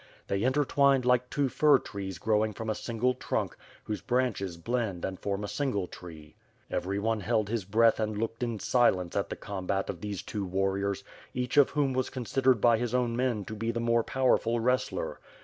They intertwined like two fir trees growing from a single trunk, whose branches blend and form a single tree. Everyone held his breath and looked in silence at the com bat of these two warriors, each of whom was considered by his own men to be the more powerful wrestler.